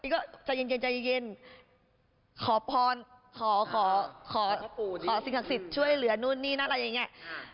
ก็ใจเย็นใจเย็นขอพรขอสิ่งศักดิ์สิทธิ์ช่วยเหลือนู่นนี่นั่นอะไรอย่างนี้